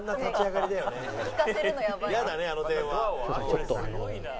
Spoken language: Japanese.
ちょっと。